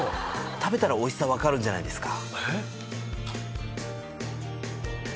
食べたらおいしさ分かるんじゃないですか？